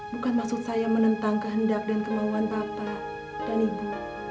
bukan maksud saya menentang kehendak dan kemauan bapak dan ibu